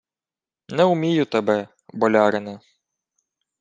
— Не умію тебе, болярине.